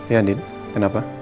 ya andin kenapa